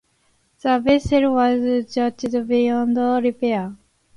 The vessel was judged beyond repair.